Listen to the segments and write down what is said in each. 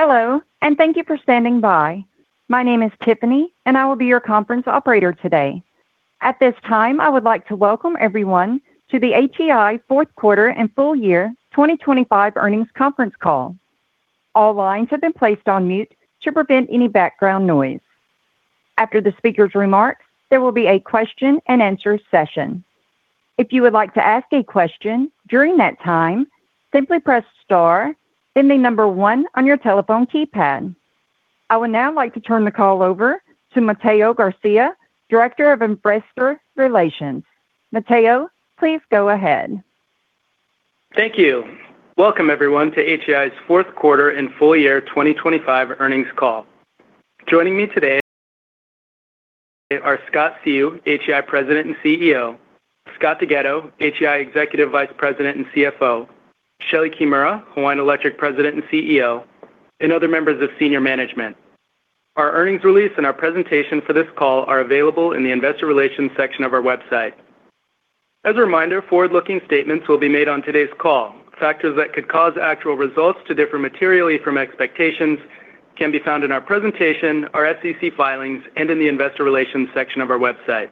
Hello, thank you for standing by. My name is Tiffany, I will be your conference operator today. At this time, I would like to welcome everyone to the HEI fourth quarter and full year 2025 earnings Conference Call. All lines have been placed on mute to prevent any background noise. After the speaker's remarks, there will be a question-and-answer session. If you would like to ask a question during that time, simply press star then one on your telephone keypad. I would now like to turn the call over to Mateo Garcia, Director of Investor Relations. Mateo, please go ahead. Thank you. Welcome, everyone, to HEI's fourth quarter and full year 2025 earnings call. Joining me today are Scott Seu, HEI President and CEO, Scott DeGatto, HEI Executive Vice President and Chief Financial Officer, Shelee Kimura, Hawaiian Electric President and Chief Executive Officer, and other members of senior management. Our earnings release and our presentation for this call are available in the investor relations section of our website. As a reminder, forward-looking statements will be made on today's call. Factors that could cause actual results to differ materially from expectations can be found in our presentation, our SEC filings, and in the investor relations section of our website.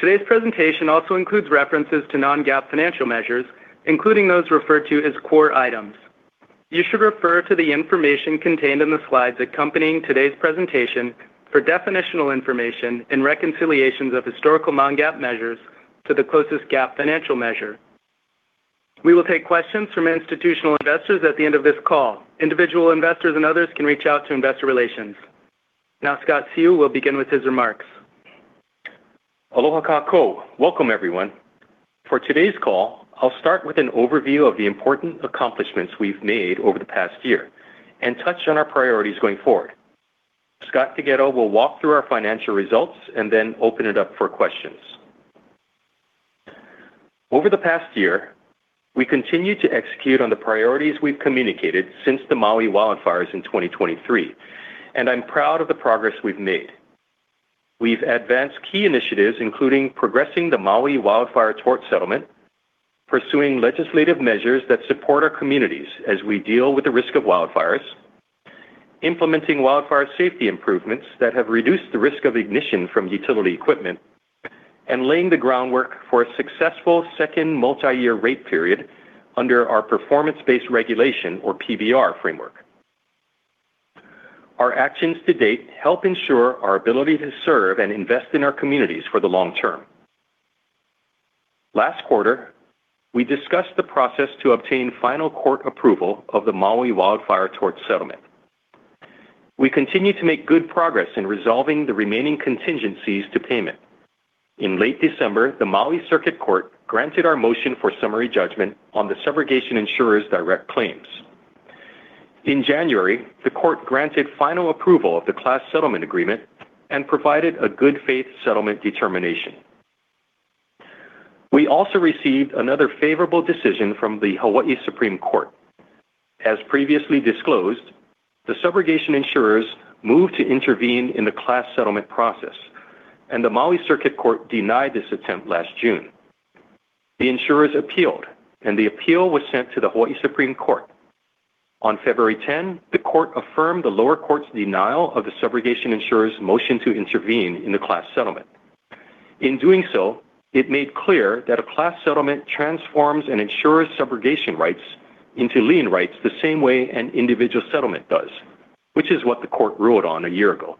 Today's presentation also includes references to non-GAAP financial measures, including those referred to as core items. You should refer to the information contained in the slides accompanying today's presentation for definitional information and reconciliations of historical non-GAAP measures to the closest GAAP financial measure. We will take questions from institutional investors at the end of this call. Individual investors and others can reach out to investor relations. Now Scott Seu will begin with his remarks. Aloha kākou. Welcome, everyone. For today's call, I'll start with an overview of the important accomplishments we've made over the past year and touch on our priorities going forward. Scott DeGhetto will walk through our financial results and then open it up for questions. Over the past year, we continued to execute on the priorities we've communicated since the Maui wildfires in 2023, and I'm proud of the progress we've made. We've advanced key initiatives, including progressing the Maui wildfire tort settlement, pursuing legislative measures that support our communities as we deal with the risk of wildfires, implementing wildfire safety improvements that have reduced the risk of ignition from utility equipment, and laying the groundwork for a successful second multi-year rate period under our performance-based regulation or PBR Framework. Our actions to date help ensure our ability to serve and invest in our communities for the long term. Last quarter, we discussed the process to obtain final court approval of the Maui wildfire tort settlement. We continue to make good progress in resolving the remaining contingencies to payment. In late December, the Maui Circuit Court granted our motion for summary judgment on the subrogation insurer's direct claims. In January, the court granted final approval of the class settlement agreement and provided a good faith settlement determination. We also received another favorable decision from the Hawaii Supreme Court. As previously disclosed, the subrogation insurers moved to intervene in the class settlement process, and the Maui Circuit Court denied this attempt last June. The insurers appealed, and the appeal was sent to the Hawaii Supreme Court. On February 10, the court affirmed the lower court's denial of the subrogation insurer's motion to intervene in the class settlement. In doing so, it made clear that a class settlement transforms an insurer's subrogation rights into lien rights the same way an individual settlement does, which is what the court ruled on one year ago.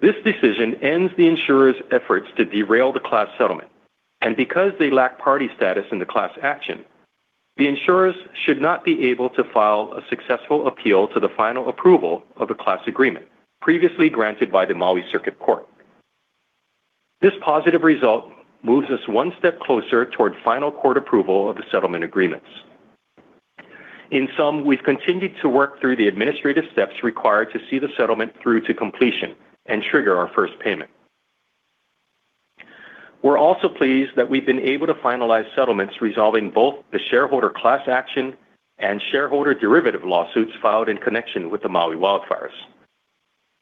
This decision ends the insurer's efforts to derail the class settlement. Because they lack party status in the class action, the insurers should not be able to file a successful appeal to the final approval of the class agreement previously granted by the Maui Circuit Court. This positive result moves us one step closer toward final court approval of the settlement agreements. In sum, we've continued to work through the administrative steps required to see the settlement through to completion and trigger our first payment. We're also pleased that we've been able to finalize settlements resolving both the shareholder class action and shareholder derivative lawsuits filed in connection with the Maui wildfires.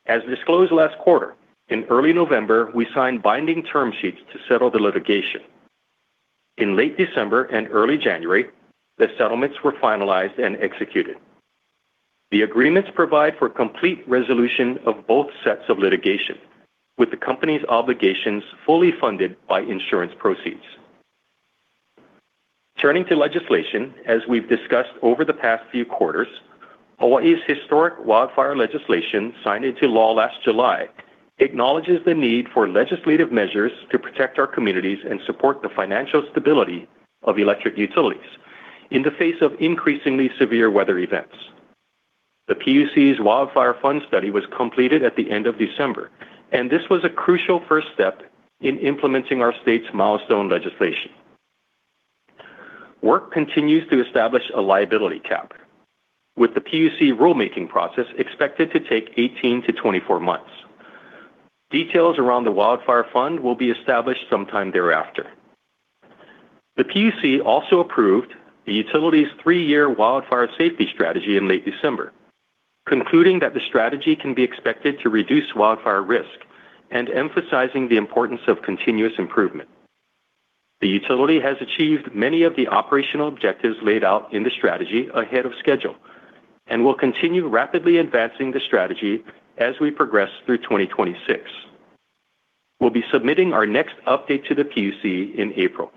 As disclosed last quarter, in early November, we signed binding term sheets to settle the litigation. In late December and early January, the settlements were finalized and executed. The agreements provide for complete resolution of both sets of litigation, with the company's obligations fully funded by insurance proceeds. Turning to legislation, as we've discussed over the past few quarters, Hawaii's historic wildfire legislation, signed into law last July, acknowledges the need for legislative measures to protect our communities and support the financial stability of electric utilities in the face of increasingly severe weather events. The PUC's Wildfire Fund study was completed at the end of December, and this was a crucial first step in implementing our state's milestone legislation. Work continues to establish a liability cap, with the PUC rulemaking process expected to take 18-24 months. Details around the Wildfire Fund will be established sometime thereafter. The PUC also approved the utility's three-year wildfire safety strategy in late December, concluding that the strategy can be expected to reduce wildfire risk and emphasizing the importance of continuous improvement. The utility has achieved many of the operational objectives laid out in the strategy ahead of schedule and will continue rapidly advancing the strategy as we progress through 2026. We'll be submitting our next update to the PUC in April.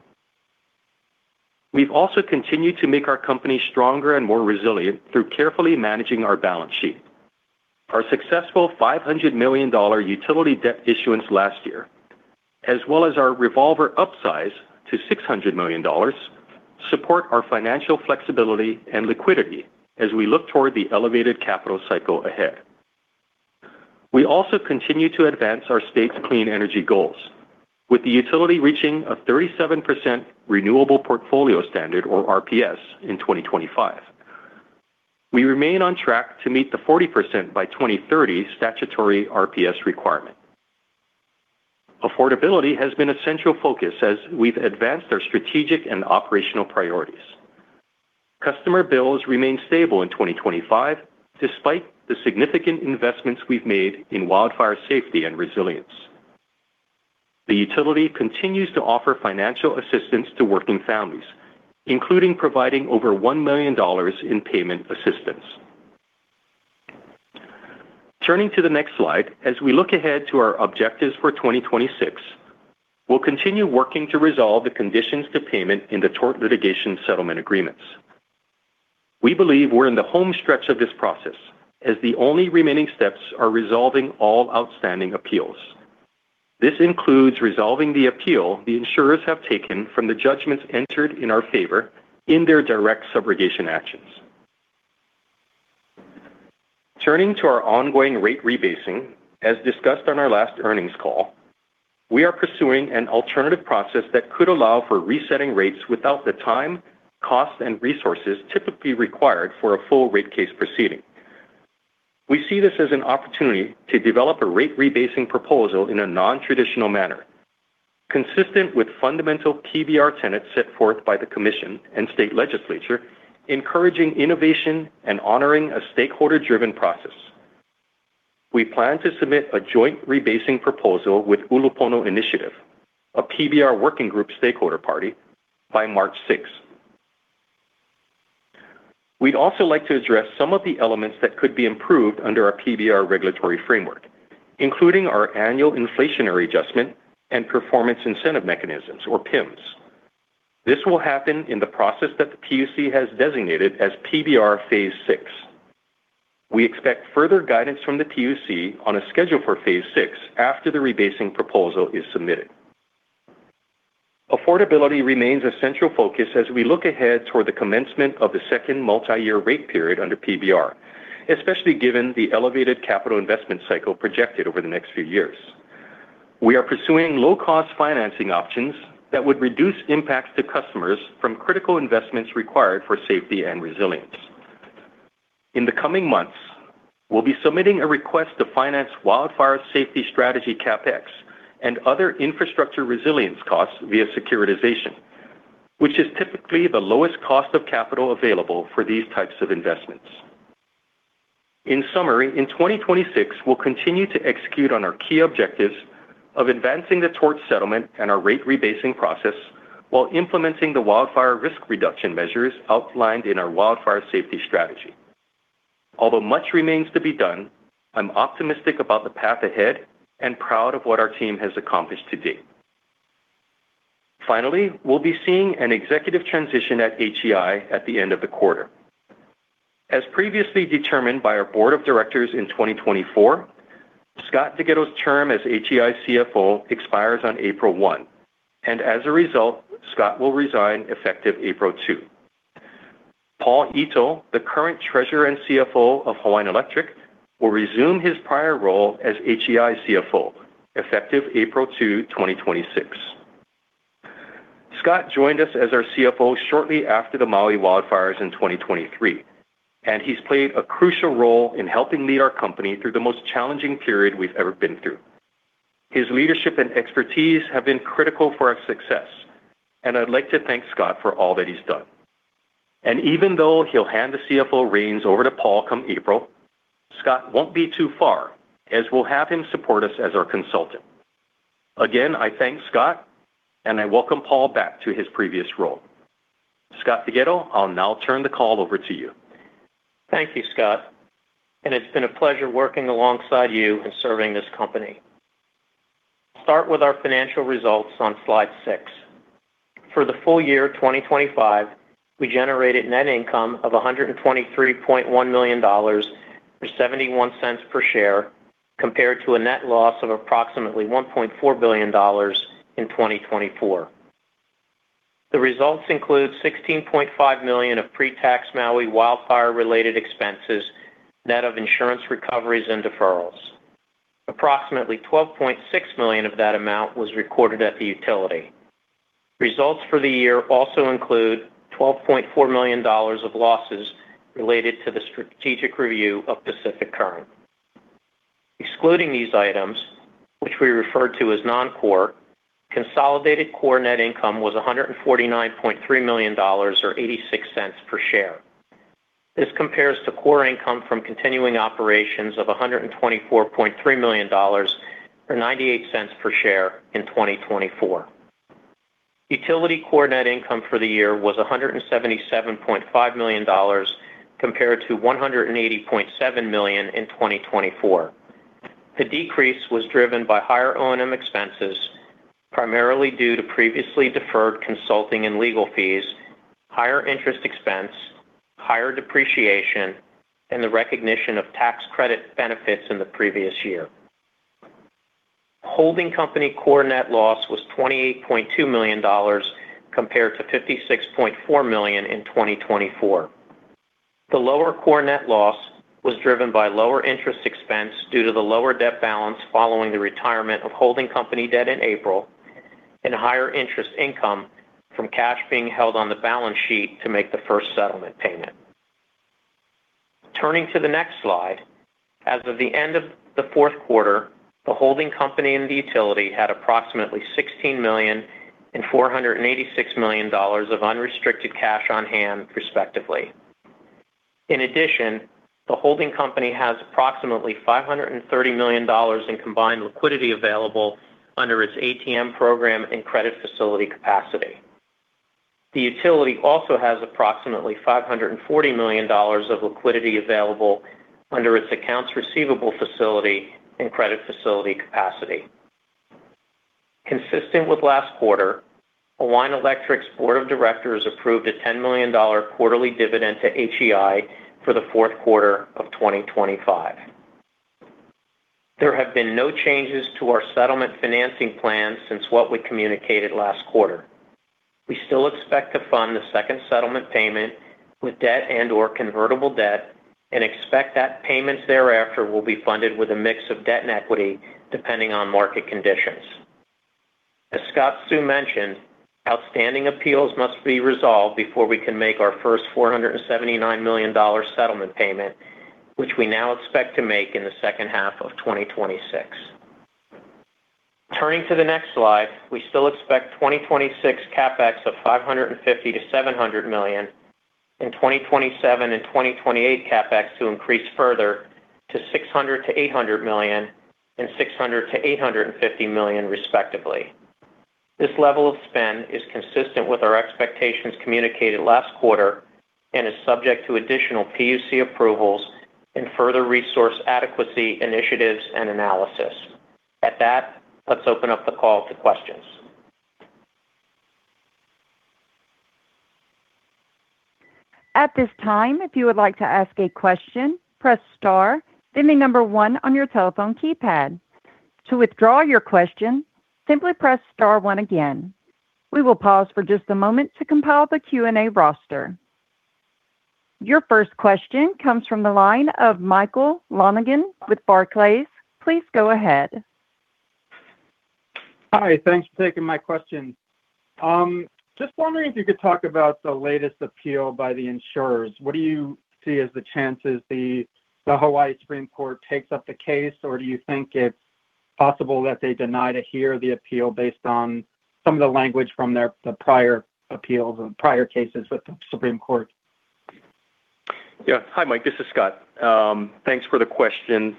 We've also continued to make our company stronger and more resilient through carefully managing our balance sheet. Our successful $500 million utility debt issuance last year, as well as our revolver upsize to $600 million, support our financial flexibility and liquidity as we look toward the elevated capital cycle ahead. We also continue to advance our state's clean energy goals with the utility reaching a 37% renewable portfolio standard or RPS in 2025. We remain on track to meet the 40% by 2030 statutory RPS requirement. Affordability has been a central focus as we've advanced our strategic and operational priorities. Customer bills remain stable in 2025 despite the significant investments we've made in wildfire safety and resilience. The utility continues to offer financial assistance to working families, including providing over $1 million in payment assistance. Turning to the next slide, as we look ahead to our objectives for 2026, we'll continue working to resolve the conditions to payment in the tort litigation settlement agreements. We believe we're in the home stretch of this process as the only remaining steps are resolving all outstanding appeals. This includes resolving the appeal the insurers have taken from the judgments entered in our favor in their direct subrogation actions. Turning to our ongoing rate rebasing, as discussed on our last earnings call, we are pursuing an alternative process that could allow for resetting rates without the time, cost, and resources typically required for a full rate case proceeding. We see this as an opportunity to develop a rate rebasing proposal in a non-traditional manner, consistent with fundamental PBR tenets set forth by the Commission and state legislature, encouraging innovation and honoring a stakeholder-driven process. We plan to submit a joint rebasing proposal with Ulupono Initiative, a PBR working group stakeholder party, by March sixth. We'd also like to address some of the elements that could be improved under our PBR regulatory framework, including our annual inflationary adjustment and Performance Incentive Mechanisms, or PIMs. This will happen in the process that the PUC has designated as PBR phase 6. We expect further guidance from the PUC on a schedule for phase six after the rebasing proposal is submitted. Affordability remains a central focus as we look ahead toward the commencement of the second multi-year rate period under PBR, especially given the elevated capital investment cycle projected over the next few years. We are pursuing low-cost financing options that would reduce impacts to customers from critical investments required for safety and resilience. In the coming months, we'll be submitting a request to finance Wildfire Safety Strategy CapEx and other infrastructure resilience costs via securitization, which is typically the lowest cost of capital available for these types of investments. In summary, in 2026, we'll continue to execute on our key objectives of advancing the tort settlement and our rate rebasing process while implementing the wildfire risk reduction measures outlined in our Wildfire Safety Strategy. Although much remains to be done, I'm optimistic about the path ahead and proud of what our team has accomplished to date. We'll be seeing an executive transition at HEI at the end of the quarter. As previously determined by our board of directors in 2024, Scott DeGhetto's term as HEI Chief Financial Officer expires on April 1, and as a result, Scott will resign effective April 2. Paul Ito, the current treasurer and CFO of Hawaiian Electric, will resume his prior role as HEI Chief Financial Officer effective April 2, 2026. Scott joined us as our CFO shortly after the Maui wildfires in 2023. He's played a crucial role in helping lead our company through the most challenging period we've ever been through. His leadership and expertise have been critical for our success. I'd like to thank Scott for all that he's done. Even though he'll hand the Chief Financial Officer reins over to Paul come April, Scott won't be too far as we'll have him support us as our consultant. Again, I thank Scott, and I welcome Paul back to his previous role. Scott DeGhetto, I'll now turn the call over to you. Thank you, Scott, and it's been a pleasure working alongside you and serving this company. Start with our financial results on slide six. For the full year 2025, we generated net income of $123.1 million, or $0.71 per share, compared to a net loss of approximately $1.4 billion in 2024. The results include $16.5 million of pre-tax Maui wildfire-related expenses, net of insurance recoveries and deferrals. Approximately $12.6 million of that amount was recorded at the utility. Results for the year also include $12.4 million of losses related to the strategic review of Pacific Current. Excluding these items, which we refer to as non-core, consolidated core net income was $149.3 million or $0.86 per share. This compares to core income from continuing operations of $124.3 million or $0.98 per share in 2024. Utility core net income for the year was $177.5 million compared to $180.7 million in 2024. The decrease was driven by higher O&M expenses, primarily due to previously deferred consulting and legal fees, higher interest expense, higher depreciation, and the recognition of tax credit benefits in the previous year. Holding company core net loss was $28.2 million compared to $56.4 million in 2024. The lower core net loss was driven by lower interest expense due to the lower debt balance following the retirement of holding company debt in April and higher interest income from cash being held on the balance sheet to make the first settlement payment. Turning to the next slide, as of the end of the fourth quarter, the holding company and the utility had approximately $16 million and $486 million of unrestricted cash on hand, respectively. In addition, the holding company has approximately $530 million in combined liquidity available under its ATM program and credit facility capacity. The utility also has approximately $540 million of liquidity available under its accounts receivable facility and credit facility capacity. Consistent with last quarter, Hawaiian Electric's board of directors approved a $10 million quarterly dividend to HEI for the fourth quarter of 2025. There have been no changes to our settlement financing plan since what we communicated last quarter. We still expect to fund the second settlement payment with debt and/or convertible debt and expect that payments thereafter will be funded with a mix of debt and equity, depending on market conditions. As Scott Seu mentioned, outstanding appeals must be resolved before we can make our first $479 million settlement payment, which we now expect to make in the second half of 2026. Turning to the next slide, we still expect 2026 CapEx of $550 million-$700 million and 2027 and 2028 CapEx to increase further to $600 million-$800 million and $600 million-$850 million, respectively. This level of spend is consistent with our expectations communicated last quarter and is subject to additional PUC approvals and further resource adequacy initiatives and analysis. At that, let's open up the call to questions. At this time, if you would like to ask a question, press star, then the number 1 on your telephone keypad. To withdraw your question, simply press star one again. We will pause for just a moment to compile the Q&A roster. Your first question comes from the line of Michael Lonergan with Barclays. Please go ahead. Hi. Thanks for taking my question. Just wondering if you could talk about the latest appeal by the insurers, what do you see as the chances the Hawaii Supreme Court takes up the case, or do you think it's possible that they deny to hear the appeal based on some of the language from their, the prior appeals and prior cases with the Supreme Court? Yeah. Hi, Michael Lonergan. This is Scott Seu. Thanks for the question.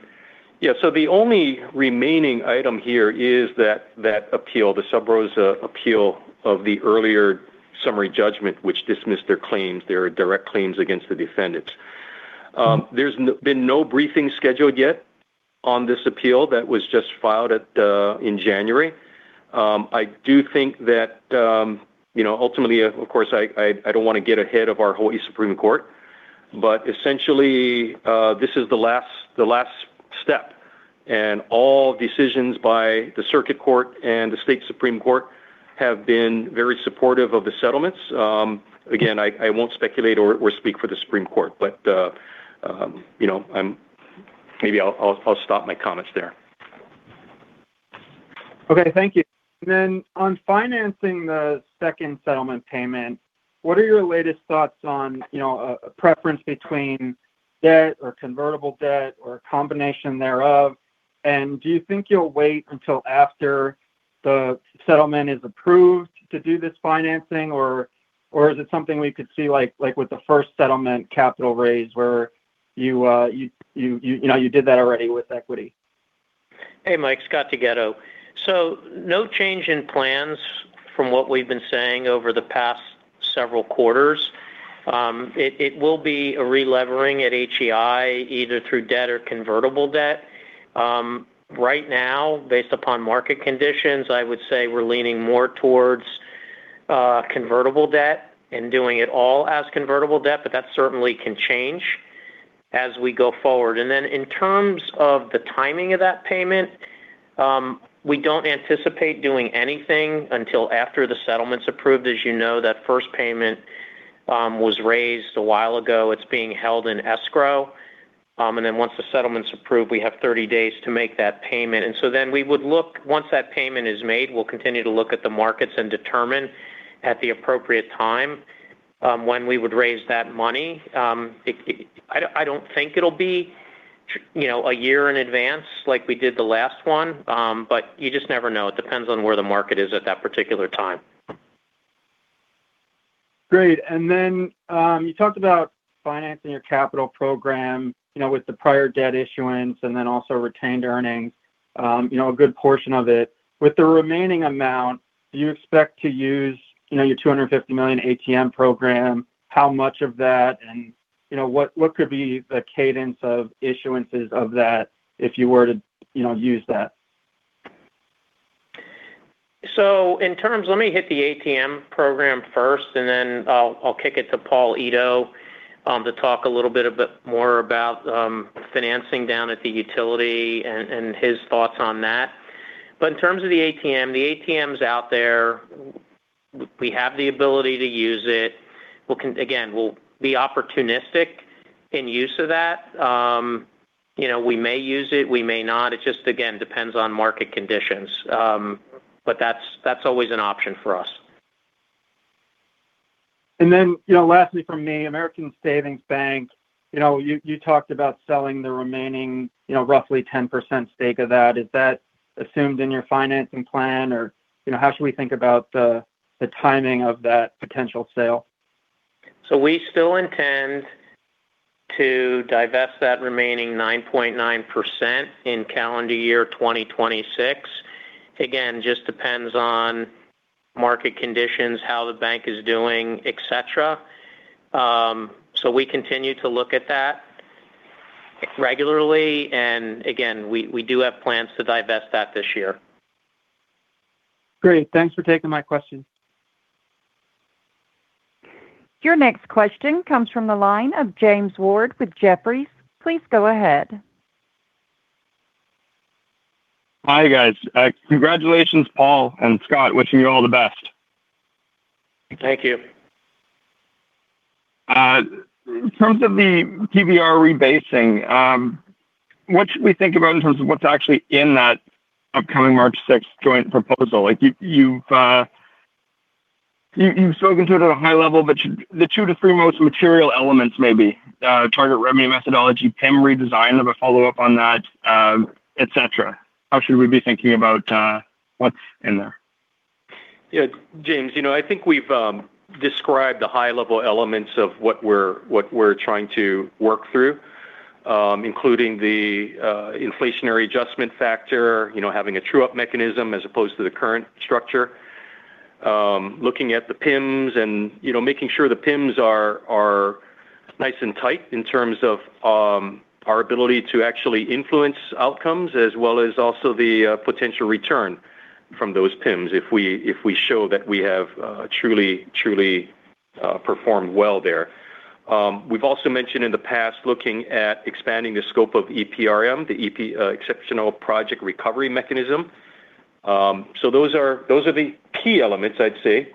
Yeah. The only remaining item here is that appeal, the Sub rosa appeal of the earlier summary judgment, which dismissed their claims, their direct claims against the defendants. There's been no briefing scheduled yet on this appeal that was just filed in January. I do think that, you know, ultimately, of course, I don't wanna get ahead of our Hawaii Supreme Court. Essentially, this is the last step, and all decisions by the circuit court and the Hawaii Supreme Court have been very supportive of the settlements. Again, I won't speculate or speak for the Hawaii Supreme Court. You know, Maybe I'll stop my comments there. Okay. Thank you. Then on financing the second settlement payment, what are your latest thoughts on, you know, a preference between debt or convertible debt or a combination thereof? Do you think you'll wait until after the settlement is approved to do this financing, or is it something we could see like with the first settlement capital raise where you know, you did that already with equity? Hey, Mike. Scott DeGhetto. No change in plans from what we've been saying over the past several quarters. It will be a relevering at HEI either through debt or convertible debt. Right now, based upon market conditions, I would say we're leaning more towards convertible debt and doing it all as convertible debt, but that certainly can change as we go forward. In terms of the timing of that payment, we don't anticipate doing anything until after the settlement's approved. As you know, that first payment was raised a while ago. It's being held in escrow. Once the settlement's approved, we have 30 days to make that payment. We would look... Once that payment is made, we'll continue to look at the markets and determine at the appropriate time, when we would raise that money. I don't think it'll be you know, a year in advance like we did the last one. You just never know. It depends on where the market is at that particular time. Great. You talked about financing your capital program, you know, with the prior debt issuance and then also retained earnings, you know, a good portion of it. With the remaining amount, do you expect to use, you know, your $250 million ATM program? How much of that? You know, what could be the cadence of issuances of that if you were to, you know, use that? In terms. Let me hit the ATM program first, and then I'll kick it to Paul Ito to talk a little bit about, more about financing down at the utility and his thoughts on that. In terms of the ATM, the ATM's out there. We have the ability to use it. Again, we'll be opportunistic in use of that. You know, we may use it, we may not. It just, again, depends on market conditions. But that's always an option for us. Lastly from me, American Savings Bank, you know, you talked about selling the remaining, you know, roughly 10% stake of that. Is that assumed in your financing plan, or, you know, how should we think about the timing of that potential sale? We still intend to divest that remaining 9.9% in calendar year 2026. Again, just depends on market conditions, how the bank is doing, et cetera. We continue to look at that regularly. Again, we do have plans to divest that this year. Great. Thanks for taking my question. Your next question comes from the line of Julien Dumoulin-Smith with Jefferies. Please go ahead. Hi, guys. Congratulations, Paul and Scott. Wishing you all the best. Thank you. In terms of the PBR rebasing, what should we think about in terms of what's actually in that upcoming March 6th joint proposal? Like, you've spoken to it at a high level, but should the two to three most material elements maybe target revenue methodology, PIM redesign of a follow-up on that, et cetera? How should we be thinking about what's in there? Yeah, Julien, you know, I think we've described the high level elements of what we're, what we're trying to work through, including the inflationary adjustment factor, you know, having a true-up mechanism as opposed to the current structure, looking at the PIMs and, you know, making sure the PIMs are nice and tight in terms of our ability to actually influence outcomes as well as also the potential return from those PIMs if we, if we show that we have truly performed well there. We've also mentioned in the past looking at expanding the scope of EPRM, the Exceptional Project Recovery Mechanism. So those are the key elements, I'd say.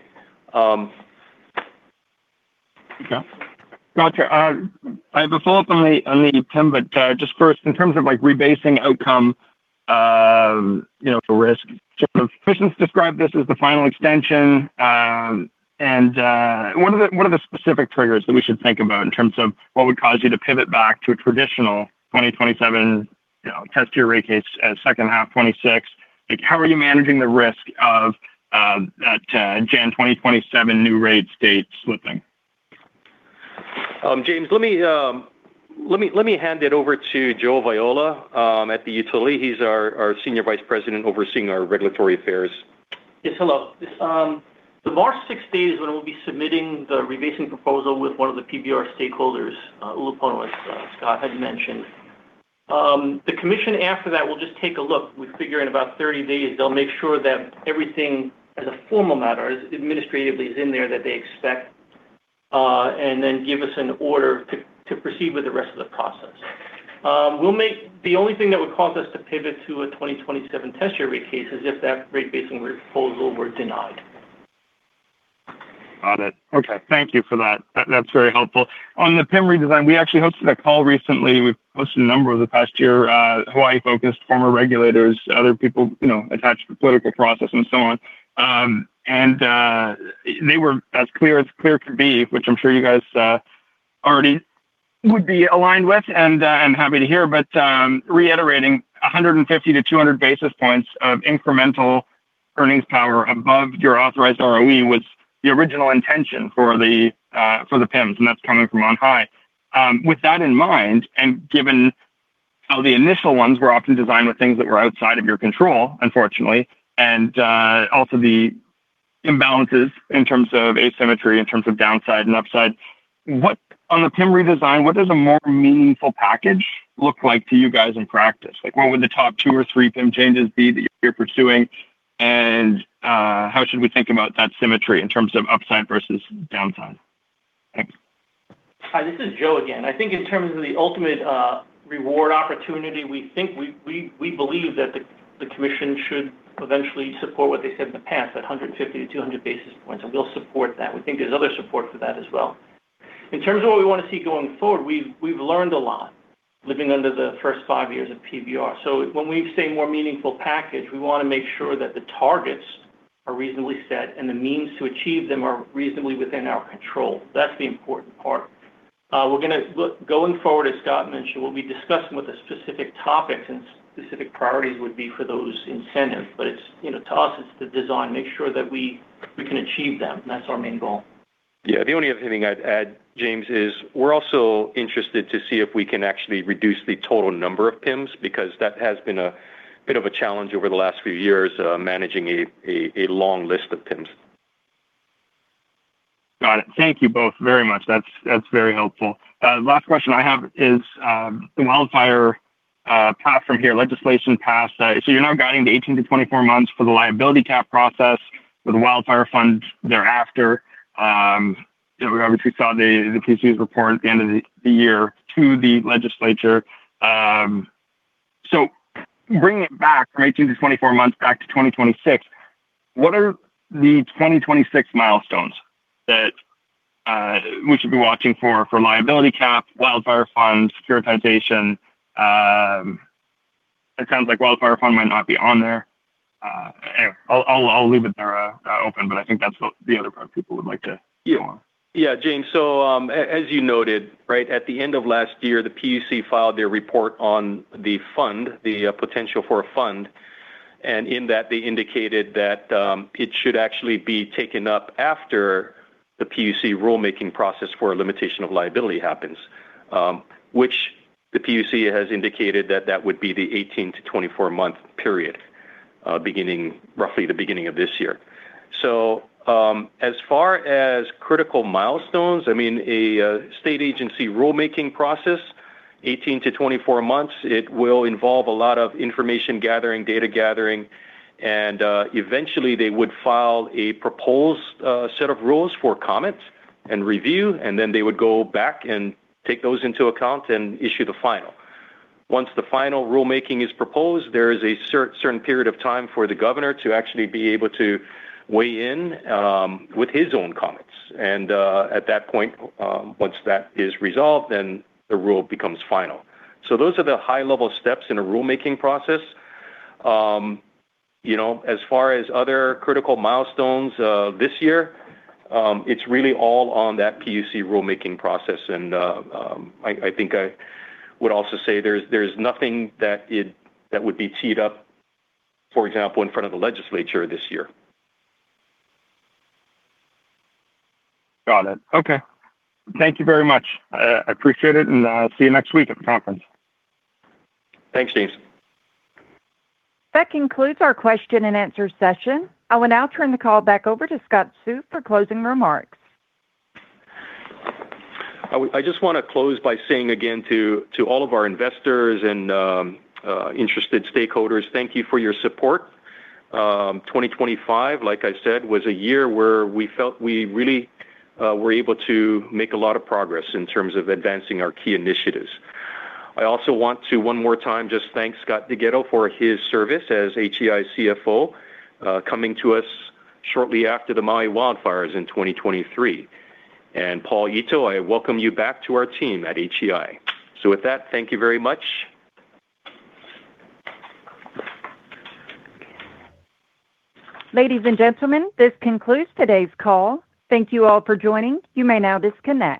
Okay. Gotcha. I have a follow-up on the PIM. Just first, in terms of like rebasing outcome, you know, to risk, Joe, Chris has described this as the final extension. One of the specific triggers that we should think about in terms of what would cause you to pivot back to a traditional 2027, you know, test your rate case at second half 2026. Like, how are you managing the risk of that January 2027 new rate date slipping? James, let me hand it over to Joe Viola, at the utility. He's our Senior Vice President overseeing our regulatory affairs. Yes. Hello. The March 6th date is when we'll be submitting the rebasing proposal with one of the PBR stakeholders, Ulupono, as Scott had mentioned. The Commission after that will just take a look. We figure in about 30 days, they'll make sure that everything as a formal matter, as administratively is in there that they expect, and then give us an order to proceed with the rest of the process. The only thing that would cause us to pivot to a 2027 test year case is if that rate basing proposal were denied. Got it. Okay. Thank you for that. That's very helpful. On the PIM redesign, we actually hosted a call recently. We've hosted a number over the past year, Hawaii-focused, former regulators, other people, you know, attached to the political process and so on. And they were as clear as clear could be, which I'm sure you guys already would be aligned with, and I'm happy to hear. Reiterating 150-200 basis points of incremental earnings power above your authorized ROE was the original intention for the PIMs, and that's coming from on high. With that in mind, given how the initial ones were often designed with things that were outside of your control, unfortunately, also the imbalances in terms of asymmetry, in terms of downside and upside, on the PIM redesign, what does a more meaningful package look like to you guys in practice? Like, what would the top two or three PIM changes be that you're pursuing? How should we think about that symmetry in terms of upside versus downside? Thanks. Hi, this is Joe again. I think in terms of the ultimate reward opportunity, we think we believe that the commission should eventually support what they said in the past, that 150 to 200 basis points, and we'll support that. We think there's other support for that as well. In terms of what we wanna see going forward, we've learned a lot living under the first five years of PBR. When we say more meaningful package, we wanna make sure that the targets are reasonably set and the means to achieve them are reasonably within our control. That's the important part. Going forward, as Scott mentioned, we'll be discussing what the specific topics and specific priorities would be for those incentives. It's, you know, to us it's the design, make sure that we can achieve them. That's our main goal. The only other thing I'd add, James, is we're also interested to see if we can actually reduce the total number of PIMs, because that has been a bit of a challenge over the last few years, managing a long list of PIMs. Got it. Thank you both very much. That's very helpful. Last question I have is, the wildfire platform here, legislation passed. You're now guiding to 18-24 months for the liability cap process for the Wildfire Recovery Fund thereafter. You know, obviously we saw the PUC's report at the end of the year to the legislature. Bringing it back from 18-24 months back to 2026, what are the 2026 milestones that we should be watching for liability cap, Wildfire Recovery Funds, prioritization? It sounds like Wildfire Recovery Fund might not be on there. I'll leave it there open, I think that's what the other part people would like to know. Yeah. Yeah, James, as you noted, right at the end of last year, the PUC filed their report on the fund, the potential for a fund. In that they indicated that it should actually be taken up after the PUC rulemaking process for a limitation of liability happens, which the PUC has indicated that that would be the 18-24 month period, beginning roughly the beginning of this year. As far as critical milestones, a state agency rulemaking process, 18-24 months, it will involve a lot of information gathering, data gathering, and eventually they would file a proposed set of rules for comment and review, and then they would go back and take those into account and issue the final. Once the final rulemaking is proposed, there is a certain period of time for the governor to actually be able to weigh in, with his own comments. At that point, once that is resolved, then the rule becomes final. Those are the high level steps in a rulemaking process. You know, as far as other critical milestones, this year, it's really all on that PUC rulemaking process. I think I would also say there's nothing that would be teed up, for example, in front of the legislature this year. Got it. Okay. Thank you very much. I appreciate it, and I'll see you next week at the conference. Thanks, James Ward. That concludes our question and answer session. I will now turn the call back over to Scott Seu for closing remarks. I just wanna close by saying again to all of our investors and interested stakeholders, thank you for your support. 2025, like I said, was a year where we felt we really were able to make a lot of progress in terms of advancing our key initiatives. I also want to one more time just thank Scott DeGatto for his service as HEI CFO, coming to us shortly after the Maui wildfires in 2023. Paul Ito, I welcome you back to our team at HEI. With that, thank you very much. Ladies and gentlemen, this concludes today's call. Thank you all for joining. You may now disconnect.